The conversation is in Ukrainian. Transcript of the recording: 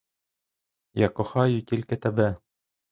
Я кохаю тільки тебе!